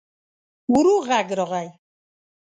ورو غږ راغی.